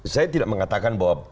saya tidak mengatakan bahwa